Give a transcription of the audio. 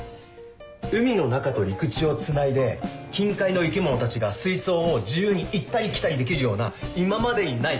海の中と陸地をつないで近海の生き物たちが水槽を自由に行ったり来たりできるような今までにない